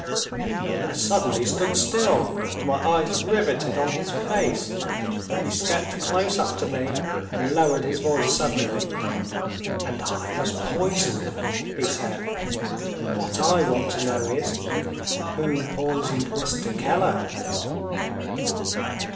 I suddenly stood still, with my eyes riveted on his face. He stepped close up to me, and lowered his voice suddenly. "And I was poisoned," he said. "What I want to know is Who poisoned Mr. Keller?"